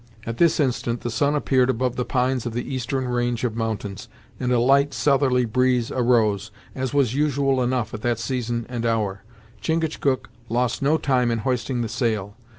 At this instant the sun appeared above the pines of the eastern range of mountains and a light southerly breeze arose, as was usual enough at that season and hour. Chingachgook lost no time in hoisting the sail.